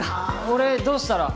俺どうしたら？